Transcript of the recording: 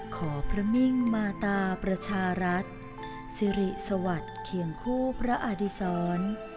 ขอพระมิ่งมาตาประชารัฐสิริสวัสดิ์เคียงคู่พระอดิษร